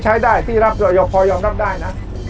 ๓๐ใช้ได้ที่พอยองรับได้นะ